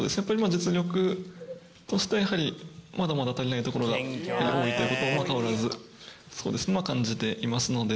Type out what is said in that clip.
実力としてやはりまだまだ足りないところが多いっていう事は変わらず感じていますので。